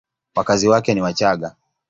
Wakazi wake ni Wachagga.